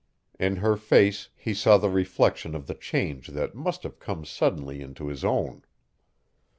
In her face he saw the reflection of the change that must have come suddenly into his own.